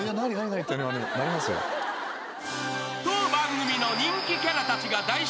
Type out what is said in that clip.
［当番組の人気キャラたちが大集合］